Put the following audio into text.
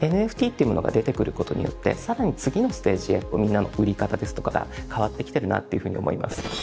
ＮＦＴっていうものが出てくることによって更に次のステージへみんなの売り方ですとかが変わってきてるなっていうふうに思います。